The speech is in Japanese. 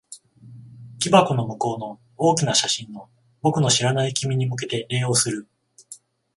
木箱の向こうの大きな写真の、僕の知らない君に向けて礼をする。